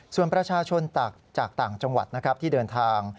ส่วนประชาชนจากต่างจังหวัดนะครับที่เดินทาง